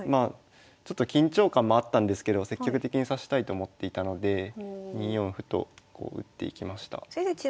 ちょっと緊張感もあったんですけど積極的に指したいと思っていたので２四歩と打っていきました。